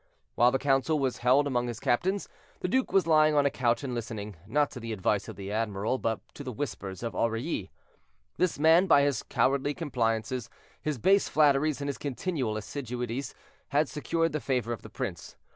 While the council was held among his captains, the duke was lying on a couch and listening, not to the advice of the admiral, but to the whispers of Aurilly. This man, by his cowardly compliances, his base flatteries, and his continual assiduities, had secured the favor of the prince.